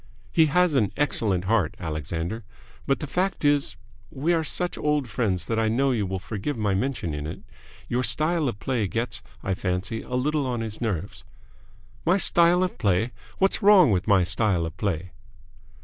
"He has an excellent heart, Alexander. But the fact is we are such old friends that I know you will forgive my mentioning it your style of play gets, I fancy, a little on his nerves." "My style of play? What's wrong with my style of play?"